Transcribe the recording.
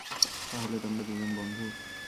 তাহলে তোমরা দুজন বন্ধু?